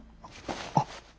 あっ。